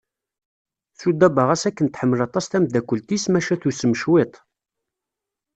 Sudaba ɣas akken tḥemmel aṭas tameddakelt-is maca tusem cwiṭ.